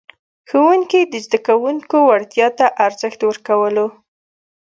ښوونکي د زده کوونکو وړتیا ته ارزښت ورکولو.